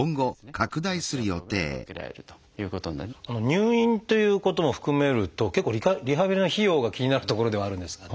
入院ということも含めると結構リハビリの費用が気になるところではあるんですが。